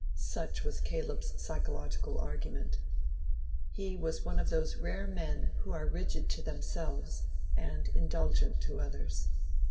Such was Caleb's psychological argument. He was one of those rare men who are rigid to themselves and indulgent to others.